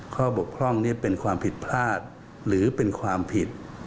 บกพร่องนี้เป็นความผิดพลาดหรือเป็นความผิด